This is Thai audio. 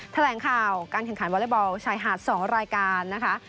แถลงข่าวการแข่งขันวอเล็กบอลชายหาด๒รายการนะคะ